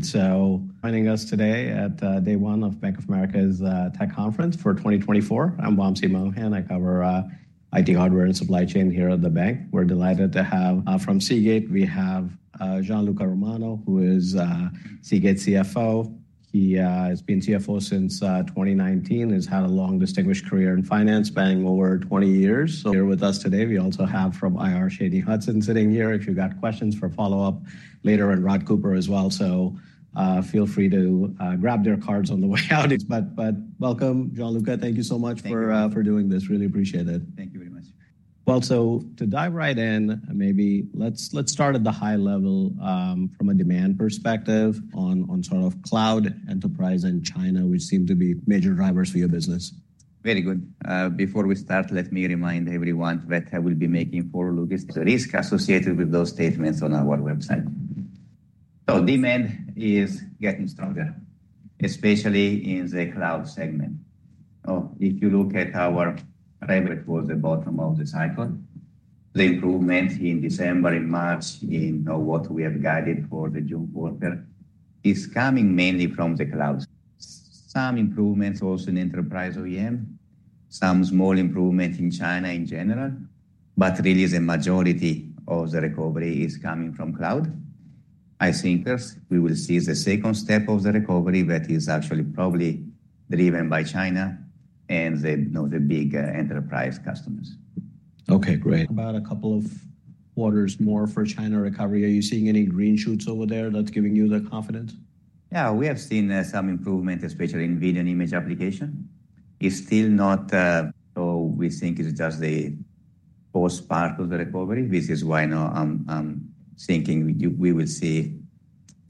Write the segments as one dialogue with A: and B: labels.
A: So joining us today at day one of Bank of America's tech conference for 2024. I'm Wamsi Mohan. I cover IT hardware and supply chain here at the bank. We're delighted to have from Seagate, we have Gianluca Romano, who is Seagate CFO. He has been CFO since 2019, and has had a long, distinguished career in finance, spanning over 20 years. So here with us today, we also have from IR, Shanye Hudson, sitting here, if you've got questions for follow-up later, and Rod Cooper as well. So feel free to grab their cards on the way out. But welcome, Gianluca. Thank you so much.
B: Thank you.
A: -for, for doing this. Really appreciate it.
B: Thank you very much.
A: Well, so to dive right in, maybe let's start at the high level, from a demand perspective on sort of cloud, enterprise, and China, which seem to be major drivers for your business.
B: Very good. Before we start, let me remind everyone that I will be making forward-looking statements and the risks associated with those statements on our website. So demand is getting stronger, especially in the Cloud segment. So if you look at our revenue for the bottom of the cycle, the improvement in December, in March, in what we have guided for the June quarter, is coming mainly from the Cloud. Some improvements also in enterprise OEM, some small improvement in China in general, but really the majority of the recovery is coming from Cloud. I think first we will see the second step of the recovery, that is actually probably driven by China and the, you know, the big enterprise customers.
A: Okay, great. About a couple of quarters more for China recovery. Are you seeing any green shoots over there that's giving you the confidence?
B: Yeah, we have seen some improvement, especially in video and image application. It's still not... So we think it's just the first part of the recovery, which is why now I'm thinking we will see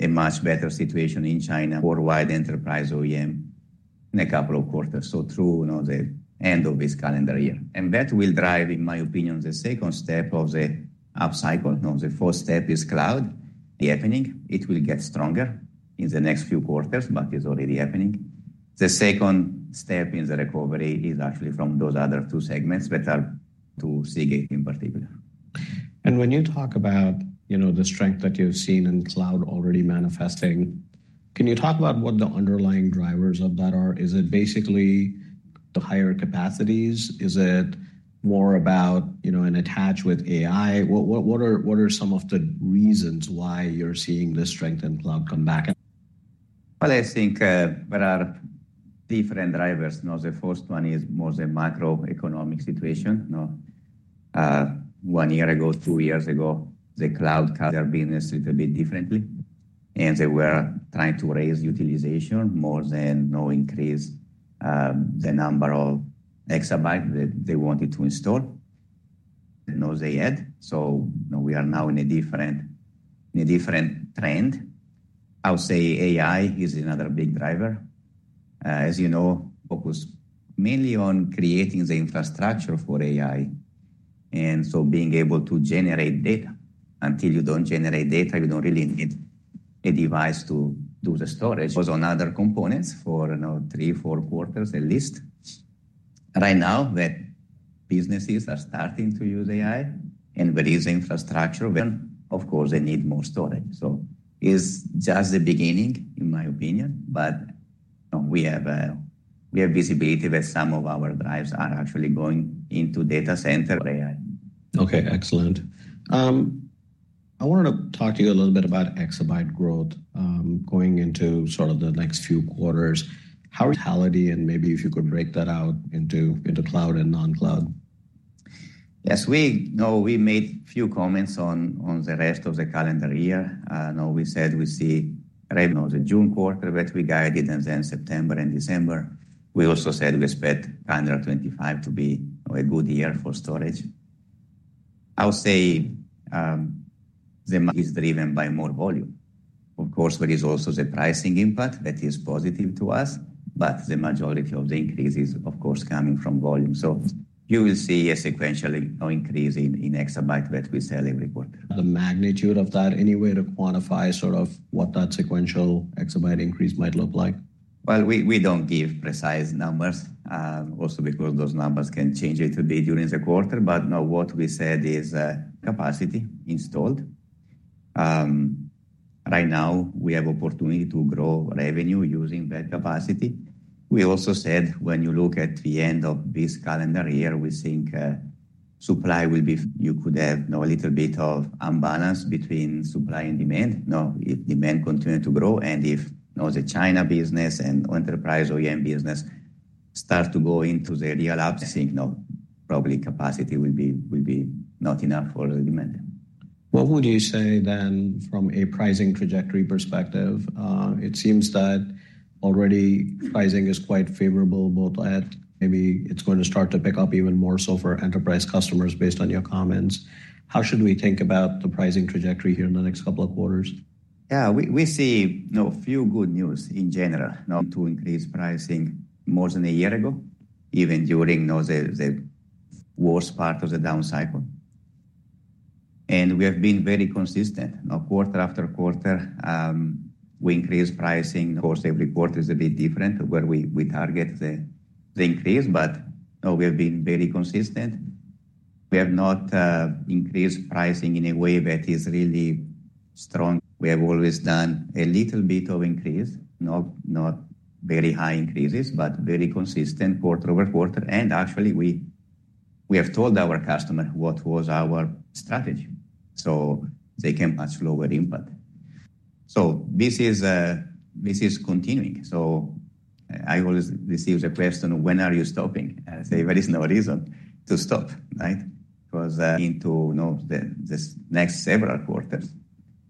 B: a much better situation in China, worldwide Enterprise OEM, in a couple of quarters. So through, you know, the end of this calendar year. And that will drive, in my opinion, the second step of the upcycle. You know, the first step is Cloud. The happening, it will get stronger in the next few quarters, but it's already happening. The second step in the recovery is actually from those other two segments, which are to Seagate in particular.
A: When you talk about, you know, the strength that you've seen in Cloud already manifesting, can you talk about what the underlying drivers of that are? Is it basically the higher capacities? Is it more about, you know, an attach with AI? What are some of the reasons why you're seeing the strength in Cloud come back?
B: Well, I think, there are different drivers. You know, the first one is more the macroeconomic situation. You know, one year ago, two years ago, the Cloud cut their business a little bit differently, and they were trying to raise utilization more than no increase, the number of exabyte that they wanted to install, you know, they had. So we are now in a different, in a different trend. I would say AI is another big driver. As you know, focus mainly on creating the infrastructure for AI, and so being able to generate data. Until you don't generate data, you don't really need a device to do the storage. Focus on other components for, you know, three, four quarters at least. Right now, the businesses are starting to use AI, and with this infrastructure, then, of course, they need more storage. It's just the beginning, in my opinion, but, we have, we have visibility that some of our drives are actually going into data center.
A: Okay, excellent. I wanted to talk to you a little bit about exabyte growth, going into sort of the next few quarters. How, and maybe if you could break that out into cloud and non-cloud.
B: Yes, we know, we made a few comments on the rest of the calendar year. Now we said we see, right, you know, the June quarter, which we guided, and then September and December. We also said we expect calendar 2025 to be a good year for storage. I would say, this is driven by more volume. Of course, there is also the pricing impact that is positive to us, but the majority of the increase is, of course, coming from volume. So you will see a sequential increase in exabytes that we sell every quarter.
A: The magnitude of that, any way to quantify sort of what that sequential exabyte increase might look like?
B: Well, we don't give precise numbers, also because those numbers can change a little bit during the quarter, but now what we said is, capacity installed. Right now, we have opportunity to grow revenue using that capacity. We also said when you look at the end of this calendar year, we think, supply will be. You could have, you know, a little bit of imbalance between supply and demand. You know, if demand continue to grow and if, you know, the China business and enterprise OEM business start to go into the real apps, I think, you know, probably capacity will be not enough for the demand.
A: What would you say then, from a pricing trajectory perspective? It seems that already pricing is quite favorable, but maybe it's going to start to pick up even more so for enterprise customers, based on your comments. How should we think about the pricing trajectory here in the next couple of quarters?
B: Yeah, we see, you know, few good news in general. Now to increase pricing more than a year ago, even during, you know, the worst part of the down cycle. And we have been very consistent. You know, quarter after quarter, we increase pricing. Of course, every quarter is a bit different, where we target the increase, but, you know, we have been very consistent. We have not increased pricing in a way that is really strong. We have always done a little bit of increase, not very high increases, but very consistent quarter over quarter. And actually, we have told our customer what was our strategy, so they can match lower impact. So this is continuing. So I always receive the question: When are you stopping? I say, there is no reason to stop, right? Because into, you know, this next several quarters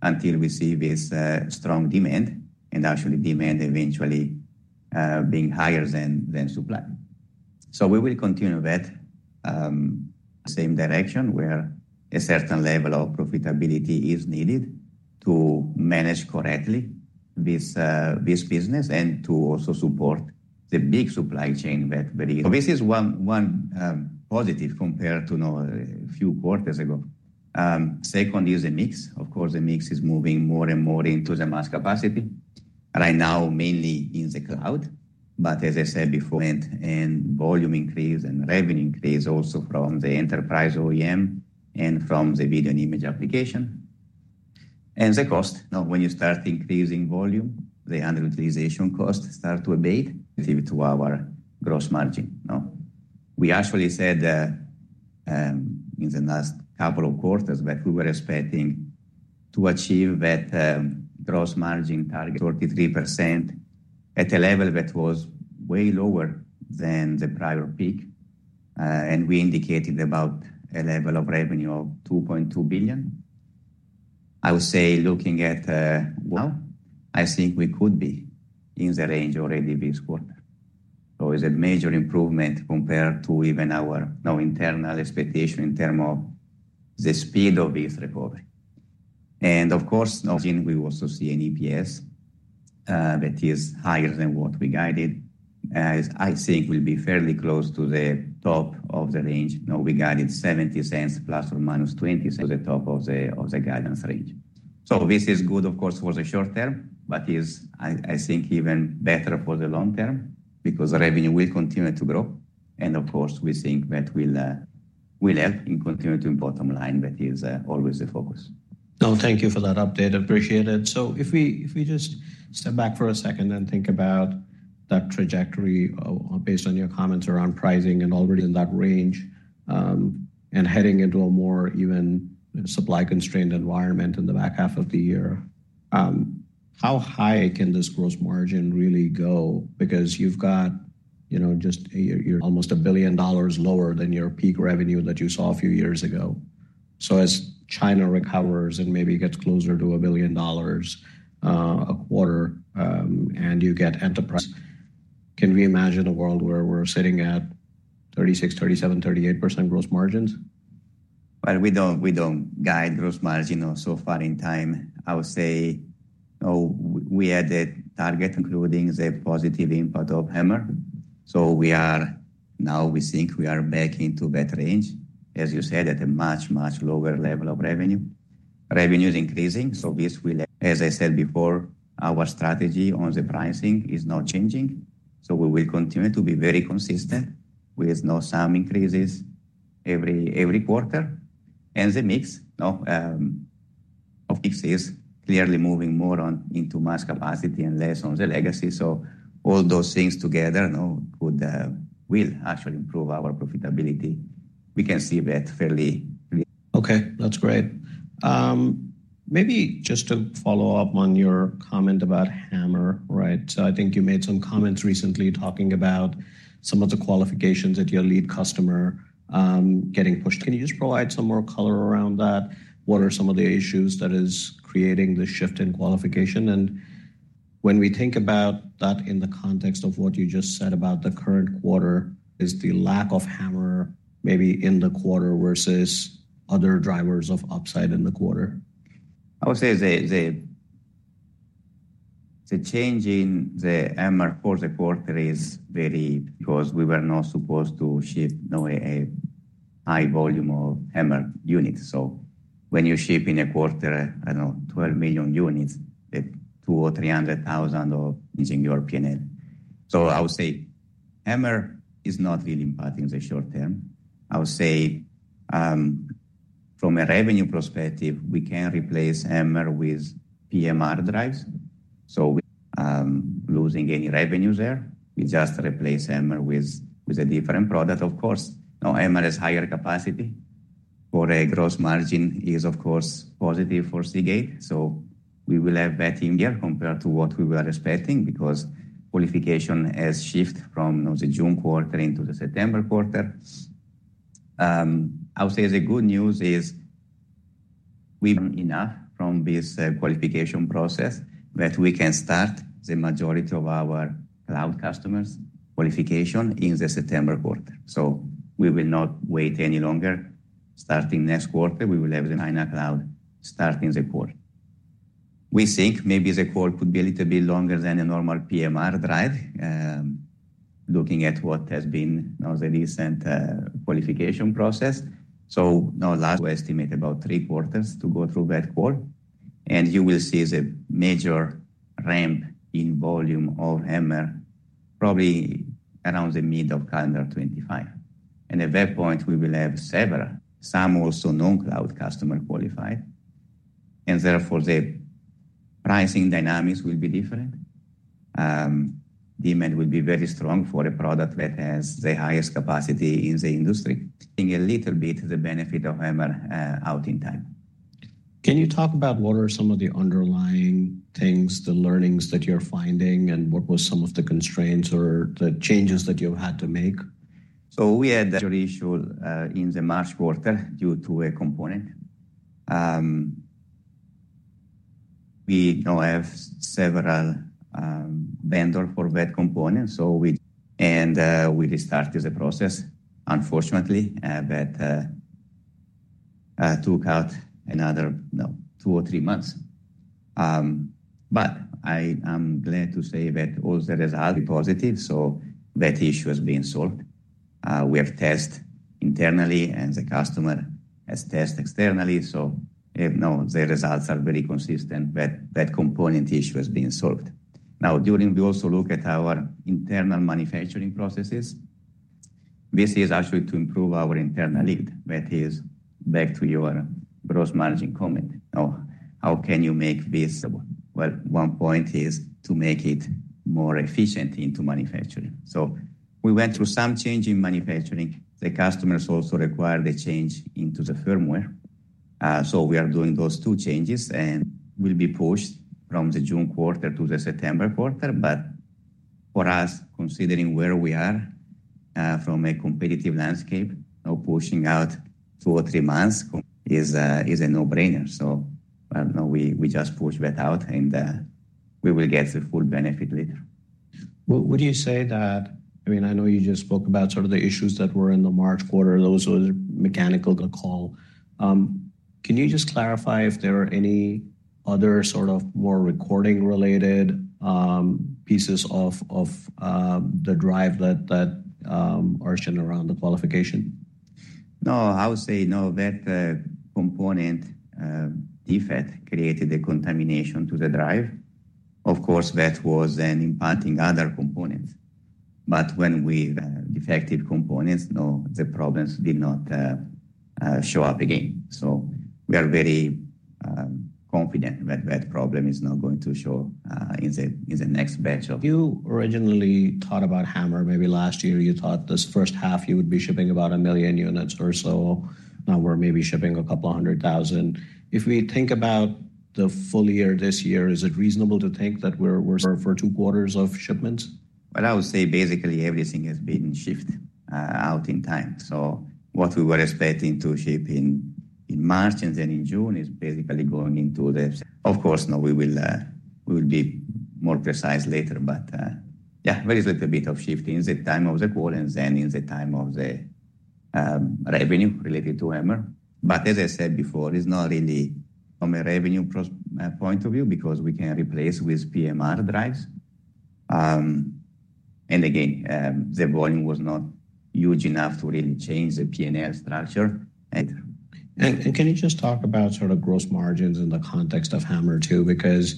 B: until we see this strong demand, and actually demand eventually being higher than supply. So we will continue that same direction, where a certain level of profitability is needed to manage correctly this business and to also support the big supply chain that very. So this is one positive compared to, you know, a few quarters ago. Second is the mix. Of course, the mix is moving more and more into the mass capacity, right now, mainly in the Cloud. But as I said before, volume increase and revenue increase also from the enterprise OEM and from the video and image application. And the cost. Now, when you start increasing volume, the underutilization costs start to abate relative to our gross margin. Now, we actually said, in the last couple of quarters that we were expecting to achieve that, gross margin target, 33%, at a level that was way lower than the prior peak. And we indicated about a level of revenue of $2.2 billion. I would say looking at, well, I think we could be in the range already this quarter. So it's a major improvement compared to even our internal expectation in terms of the speed of this recovery. And of course, now we will also see an EPS that is higher than what we guided. As I think we'll be fairly close to the top of the range. Now, we guided $0.70 ± $0.20, so the top of the guidance range. So this is good, of course, for the short term, but I think even better for the long term because revenue will continue to grow. And of course, we think that will help in continuing to bottom line. That is always the focus.
A: No, thank you for that update. Appreciate it. So if we, if we just step back for a second and think about that trajectory, based on your comments around pricing and already in that range, and heading into a more even supply-constrained environment in the back half of the year, how high can this gross margin really go? Because you've got, you know, just, you're almost $1 billion lower than your peak revenue that you saw a few years ago. So as China recovers and maybe gets closer to $1 billion a quarter, and you get enterprise, can we imagine a world where we're sitting at 36%, 37%, 38% gross margins?
B: Well, we don't, we don't guide gross margin, you know, so far in time. I would say, oh, we had a target, including the positive impact of HAMR. So we are, now we think we are back into that range, as you said, at a much, much lower level of revenue. Revenue is increasing, so this will... As I said before, our strategy on the pricing is not changing, so we will continue to be very consistent with, you know, some increases every, every quarter. And the mix, you know, of course, is clearly moving more on into mass capacity and less on the legacy. So all those things together, you know, could, will actually improve our profitability. We can see that fairly clear.
A: Okay, that's great. Maybe just to follow up on your comment about HAMR, right? So I think you made some comments recently talking about some of the qualifications that your lead customer getting pushed. Can you just provide some more color around that? What are some of the issues that is creating the shift in qualification? And when we think about that in the context of what you just said about the current quarter, is the lack of HAMR maybe in the quarter versus other drivers of upside in the quarter?
B: I would say the change in the HAMR for the quarter is very because we were not supposed to ship, you know, a high volume of HAMR units. So when you ship in a quarter, I don't know, 12 million units, the 200,000 or 300,000 or losing your P&L. So I would say HAMR is not really impacting the short term. I would say, from a revenue perspective, we can replace HAMR with PMR drives. So, losing any revenue there, we just replace HAMR with a different product, of course. Now, HAMR has higher capacity for a gross margin is, of course, positive for Seagate, so we will have that in here compared to what we were expecting, because qualification has shifted from, you know, the June quarter into the September quarter. I would say the good news is we've learned enough from this, qualification process that we can start the majority of our cloud customers' qualification in the September quarter. So we will not wait any longer. Starting next quarter, we will have the Cloud starting the quarter. We think maybe the quarter could be a little bit longer than a normal PMR drive, looking at what has been, you know, the recent, qualification process. So now we estimate about three quarters to go through that quarter, and you will see the major ramp in volume of HAMR probably around the mid of calendar 2025. And at that point, we will have several, some also non-cloud customer qualified, and therefore the pricing dynamics will be different. Demand will be very strong for a product that has the highest capacity in the industry, taking a little bit the benefit of HAMR out in time.
A: Can you talk about what are some of the underlying things, the learnings that you're finding, and what were some of the constraints or the changes that you've had to make?
B: So we had that issue in the March quarter due to a component. We now have several vendors for that component, so we restarted the process, unfortunately, but took out another, you know, two or three months. But I am glad to say that all the results are positive, so that issue has been solved. We have test internally, and the customer has test externally, so now the results are very consistent, that that component issue has been solved. Now, during we also look at our internal manufacturing processes. This is actually to improve our internal yield. That is back to your gross margin comment. Now, how can you make this? Well, one point is to make it more efficient into manufacturing. So we went through some change in manufacturing. The customers also require the change into the firmware. So we are doing those two changes, and will be pushed from the June quarter to the September quarter. But for us, considering where we are, from a competitive landscape, now pushing out two or three months is a no-brainer. So I don't know, we just push that out, and we will get the full benefit later.
A: Well, would you say that I mean, I know you just spoke about sort of the issues that were in the March quarter, those were mechanical qual. Can you just clarify if there are any other sort of more recording-related pieces of the drive that are centered around the qualification?
B: No, I would say no, that component defect created a contamination to the drive. Of course, that was then impacting other components, but when we defective components, no, the problems did not show up again. So we are very confident that that problem is not going to show in the next batch of-
A: You originally thought about HAMR, maybe last year. You thought this first half you would be shipping about 1 million units or so. Now we're maybe shipping a couple hundred thousand. If we think about the full year, this year, is it reasonable to think that we're, we're for two quarters of shipments?
B: Well, I would say basically everything has been shifted out in time. So what we were expecting to ship in March and then in June is basically going into the of course, now we will be more precise later, but yeah, there is a little bit of shift in the time of the quarter and then in the time of the revenue related to HAMR. But as I said before, it's not really from a revenue perspective point of view because we can replace with PMR drives. And again, the volume was not huge enough to really change the P&L structure and-
A: Can you just talk about sort of gross margins in the context of HAMR, too? Because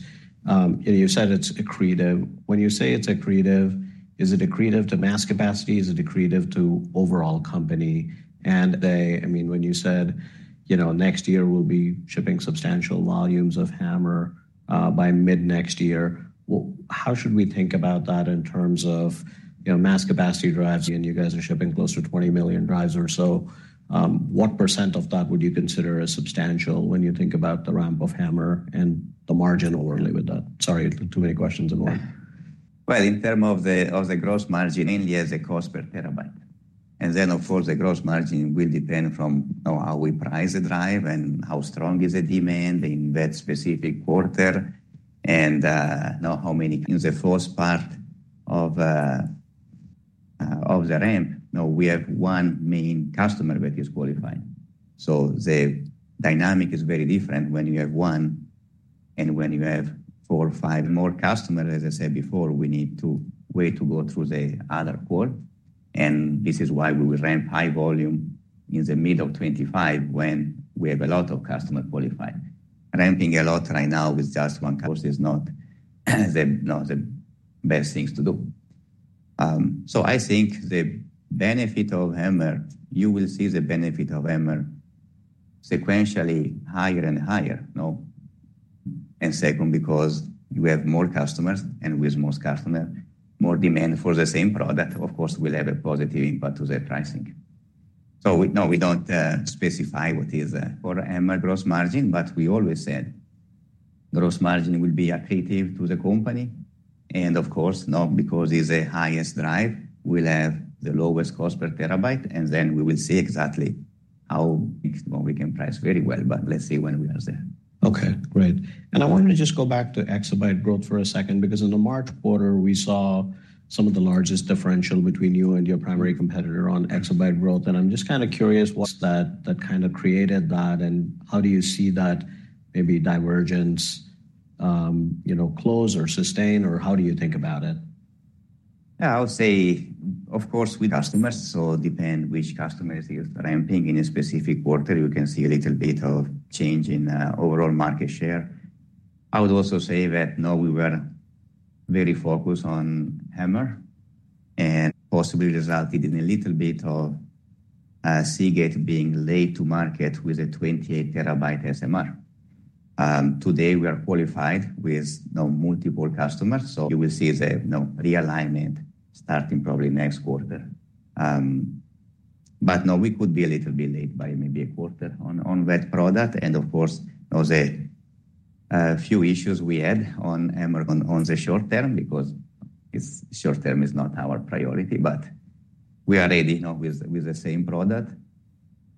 A: you said it's accretive. When you say it's accretive, is it accretive to mass capacity? Is it accretive to overall company? I mean, when you said, you know, next year we'll be shipping substantial volumes of HAMR by mid-next year, well, how should we think about that in terms of, you know, mass capacity drives, and you guys are shipping close to 20 million drives or so? What percent of that would you consider as substantial when you think about the ramp of HAMR and the margin overall with that? Sorry, too many questions in one.
B: Well, in terms of the gross margin, mainly as a cost per terabyte. Then, of course, the gross margin will depend from, you know, how we price the drive and how strong is the demand in that specific quarter. In the first part of the ramp, now we have one main customer that is qualified. So the dynamic is very different when you have one and when you have four or five more customers. As I said before, we need to wait to go through the other quarter, and this is why we will ramp high volume in the mid of 2025, when we have a lot of customer qualified. Ramping a lot right now with just one customer is not the best things to do. So I think the benefit of HAMR, you will see the benefit of HAMR sequentially higher and higher, no? And second, because you have more customers, and with more customers, more demand for the same product, of course, will have a positive impact to the pricing. So, no, we don't specify what is for HAMR gross margin, but we always said gross margin will be accretive to the company. And of course, now, because it's the highest drive, we'll have the lowest cost per terabyte, and then we will see exactly how much more we can price very well, but let's see when we are there.
A: Okay, great. And I wanted to just go back to exabyte growth for a second, because in the March quarter, we saw some of the largest differential between you and your primary competitor on exabyte growth. And I'm just kind of curious what that, that kind of created that, and how do you see that maybe divergence, you know, close or sustain, or how do you think about it?
B: Yeah, I would say, of course, with customers, so depend which customer is ramping in a specific quarter, you can see a little bit of change in overall market share. I would also say that, no, we were very focused on HAMR, and possibly resulted in a little bit of Seagate being late to market with a 28 TB SMR. Today we are qualified with, you know, multiple customers, so you will see the, you know, realignment starting probably next quarter. But no, we could be a little bit late by maybe a quarter on that product. And of course, there was a few issues we had on HAMR on the short term, because short term is not our priority, but we are ready, you know, with the same product,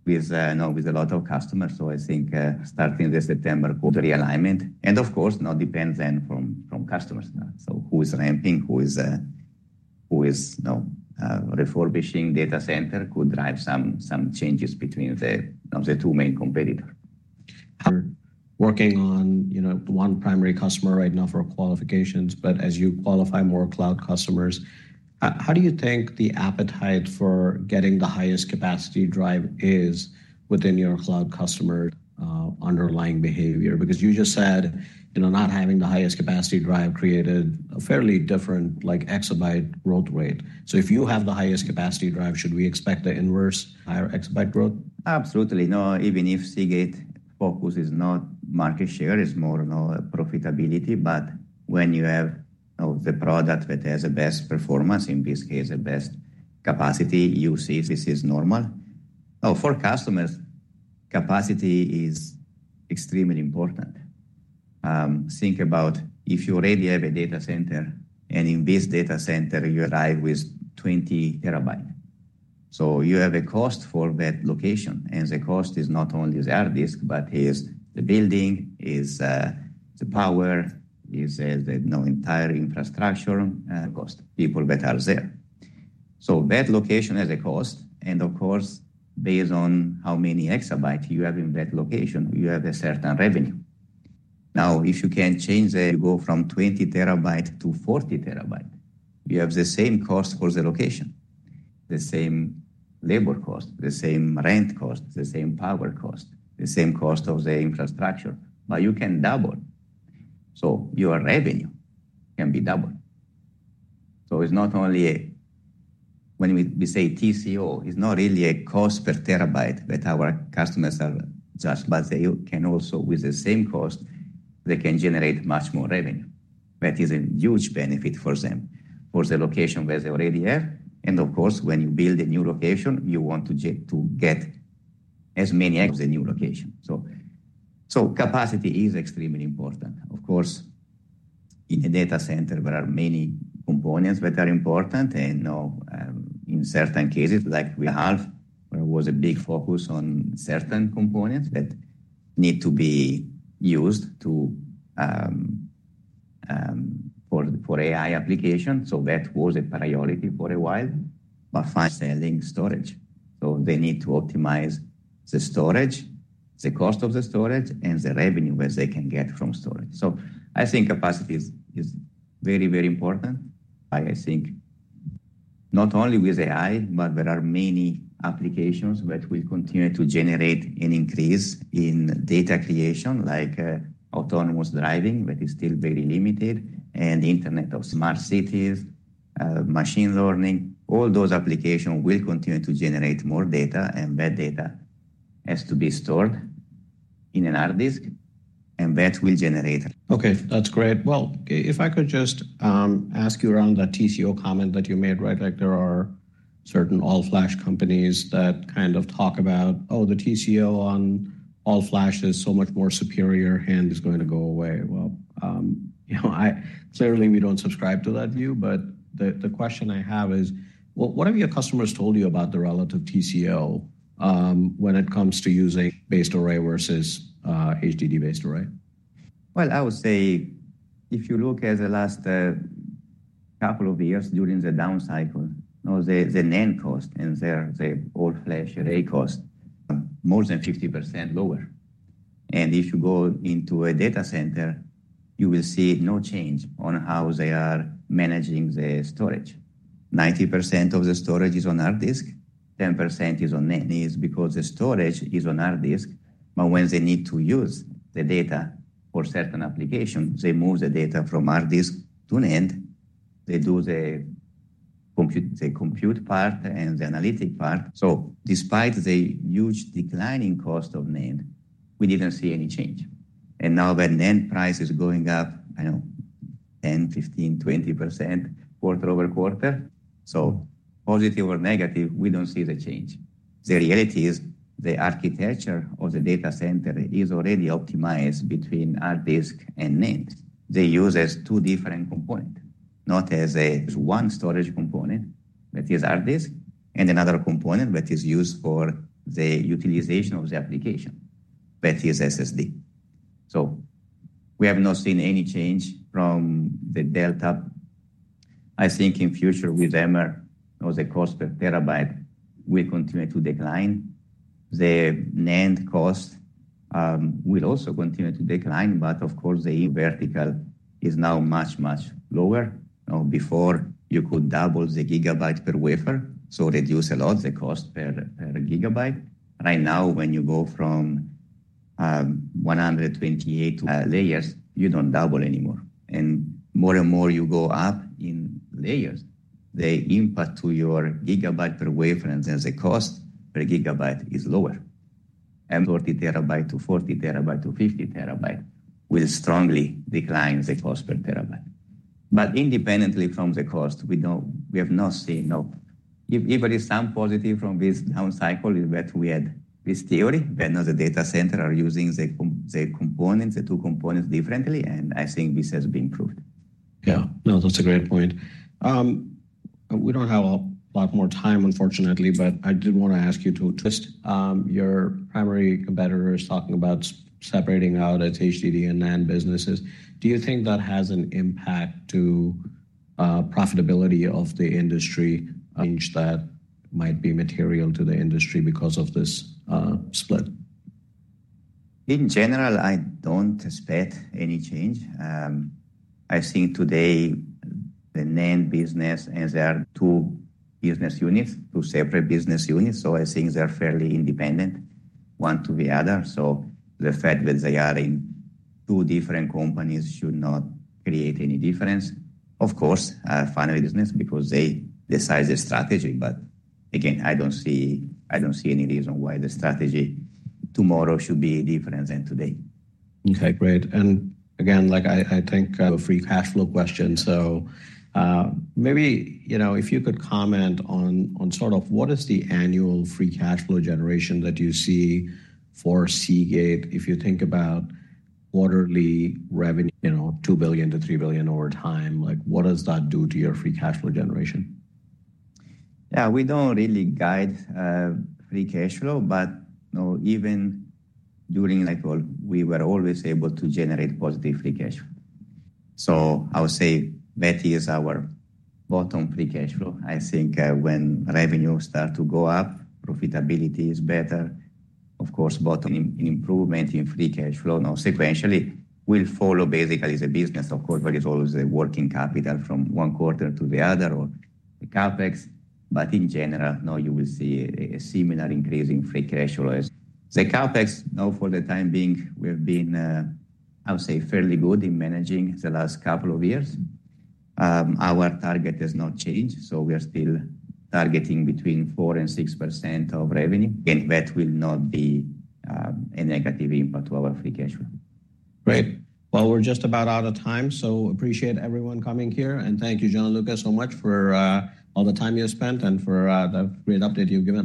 B: with you know, with a lot of customers. So I think, starting this September quarter realignment, and of course, now depends then from, from customers. So who is ramping, who is, who is, you know, refurbishing data center could drive some, some changes between the, the two main competitor.
A: We're working on, you know, one primary customer right now for qualifications, but as you qualify more cloud customers, how do you think the appetite for getting the highest capacity drive is within your cloud customer, underlying behavior? Because you just said, you know, not having the highest capacity drive created a fairly different, like, exabyte growth rate. So if you have the highest capacity drive, should we expect the inverse higher exabyte growth?
B: Absolutely. No, even if Seagate focus is not market share, is more, you know, profitability, but when you have, you know, the product that has the best performance, in this case, the best capacity, you see this is normal. Now, for customers, capacity is extremely important. Think about if you already have a data center, and in this data center, you arrive with 20 TB. So you have a cost for that location, and the cost is not only the hard disk, but is the building, is the power, is the, you know, entire infrastructure, cost, people that are there. So that location has a cost, and of course, based on how many exabyte you have in that location, you have a certain revenue. Now, if you can change that, you go from 20 TB to 40 TB. You have the same cost for the location, the same labor cost, the same rent cost, the same power cost, the same cost of the infrastructure, but you can double. So your revenue can be doubled. So it's not only when we, we say TCO, it's not really a cost per terabyte that our customers are judged, but they can also, with the same cost, they can generate much more revenue. That is a huge benefit for them, for the location where they already are. And of course, when you build a new location, you want to get, to get as many of the new location. So, so capacity is extremely important. Of course, in a data center, there are many components that are important, and, you know, in certain cases, like we have, there was a big focus on certain components that need to be used for AI application. So that was a priority for a while, but selling storage. So they need to optimize the storage, the cost of the storage, and the revenue which they can get from storage. So I think capacity is very, very important. I think not only with AI, but there are many applications that will continue to generate an increase in data creation, like autonomous driving, that is still very limited, and the Internet of smart cities, machine learning. All those application will continue to generate more data, and that data has to be stored in a hard disk, and that will generate-
A: Okay, that's great. Well, if I could just ask you around that TCO comment that you made, right? Like there are certain all-flash companies that kind of talk about, "Oh, the TCO on all-flash is so much more superior, and it's going to go away." Well, you know, I clearly, we don't subscribe to that view, but the question I have is: What have your customers told you about the relative TCO, when it comes to using flash-based array versus HDD-based array?
B: Well, I would say if you look at the last couple of years during the down cycle, you know, the NAND cost and the all-flash array cost more than 50% lower. And if you go into a data center, you will see no change on how they are managing the storage. 90% of the storage is on hard disk, 10% is on NAND. It's because the storage is on hard disk, but when they need to use the data for certain applications, they move the data from hard disk to NAND. They do the compute, the compute part and the analytic part. So despite the huge declining cost of NAND, we didn't see any change. And now the NAND price is going up, I know, 10%, 15%, 20% quarter-over-quarter. So positive or negative, we don't see the change. The reality is the architecture of the data center is already optimized between hard disk and NAND. They use as two different component, not as a one storage component, that is hard disk, and another component that is used for the utilization of the application, that is SSD. So we have not seen any change from the delta. I think in future with HAMR, you know, the cost per terabyte will continue to decline. The NAND cost will also continue to decline, but of course, the vertical is now much, much lower. Now, before you could double the gigabytes per wafer, so reduce a lot the cost per gigabyte. Right now, when you go from 128 layers, you don't double anymore. More and more you go up in layers, the impact to your GB per wafer and then the cost per GB is lower. 40 TB to 40 TB to 50 TB will strongly decline the cost per terabyte. But independently from the cost, we have not seen no. If, if there is some positive from this down cycle, is that we had this theory that now the data center are using the CMR, the components, the two components differently, and I think this has been proved.
A: Yeah. No, that's a great point. We don't have a lot more time, unfortunately, but I did want to ask you to twist, your primary competitor is talking about separating out its HDD and NAND businesses. Do you think that has an impact to profitability of the industry, a change that might be material to the industry because of this split?
B: In general, I don't expect any change. I think today, the NAND business, as there are two business units, two separate business units, so I think they're fairly independent, one to the other. So the fact that they are in two different companies should not create any difference. Of course, final business because they decide the strategy, but again, I don't see, I don't see any reason why the strategy tomorrow should be different than today.
A: Okay, great. And again, like, I think a free cash flow question. So, maybe, you know, if you could comment on sort of what is the annual free cash flow generation that you see for Seagate, if you think about quarterly revenue, you know, $2 billion-$3 billion over time, like, what does that do to your free cash flow generation?
B: Yeah, we don't really guide free cash flow, but, you know, even during, like, well, we were always able to generate positive free cash flow. So I would say that is our bottom free cash flow. I think, when revenue start to go up, profitability is better. Of course, bottom improvement in free cash flow, now sequentially, will follow basically the business. Of course, there is always a working capital from one quarter to the other or the CapEx, but in general, now you will see a similar increase in free cash flow. The CapEx, now, for the time being, we've been, I would say, fairly good in managing the last couple of years. Our target has not changed, so we are still targeting between 4% and 6% of revenue, and that will not be, a negative impact to our free cash flow.
A: Great. Well, we're just about out of time, so appreciate everyone coming here. Thank you, Gianluca, so much for all the time you spent and for the great update you've given.